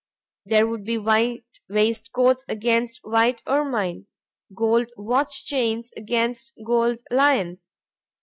There would be white waistcoats against white ermine; gold watch chains against gold lions.